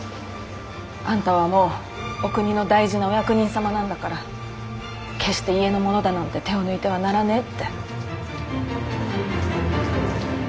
あんたはもうお国の大事なお役人様なんだから決して家の者だなんて手を抜いてはならねぇって。